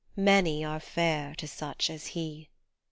Many are fair to such as he